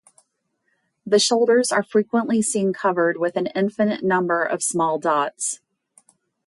The shoulders are frequently seen covered with an infinite number of small dots.